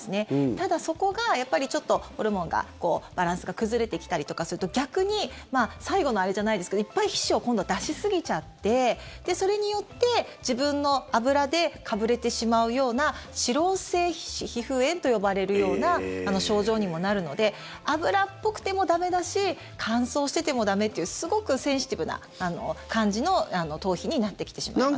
ただ、そこがやっぱりちょっとホルモンのバランスが崩れてきたりとかすると逆に最後のあれじゃないですけどいっぱい皮脂を今度は出しすぎちゃってそれによって自分の脂でかぶれてしまうような脂漏性皮膚炎と呼ばれるような症状にもなるので脂っぽくても駄目だし乾燥してても駄目っていうすごくセンシティブな感じの頭皮になってきてしまいます。